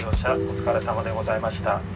お疲れさまでございました。